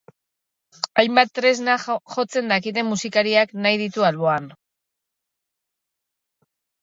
Hainbat tresna jotzen dakiten musikariak nahi ditu alboan.